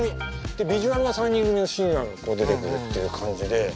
ビジュアルは３人組のシンガーが出てくるっていう感じで。